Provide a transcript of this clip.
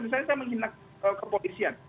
misalnya saya menghina kepolisian